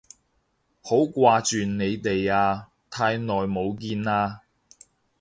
好掛住你哋啊，太耐冇見喇